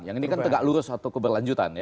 yang ini kan tegak lurus atau keberlanjutan ya